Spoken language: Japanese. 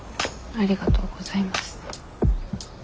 ありがとうございます。